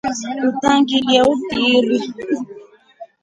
Utangindelye utiiri.